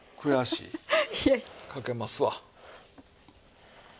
いや！かけますわ。